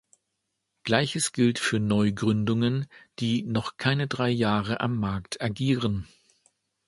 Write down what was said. Gleiches gilt für Neugründungen, die noch keine drei Jahre am Markt agieren.